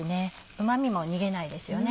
うまみも逃げないですよね。